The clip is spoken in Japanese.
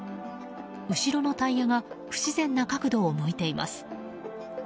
後ろのタイヤが不自然な角度を向いています。